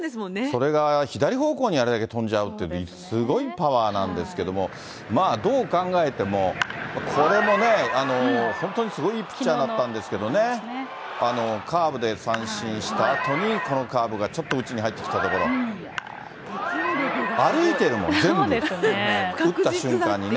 それが左方向にあれだけ飛んじゃうって、すごいパワーなんですけど、どう考えても、これもね、本当にすごいいいピッチャーだったんですけどね、カーブで三振したあとに、このカーブがちょっと内に入ってきたところ、歩いてるもん、全部、打った瞬間にね。